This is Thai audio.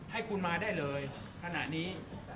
ให้คุณมาได้เลยขณะนี้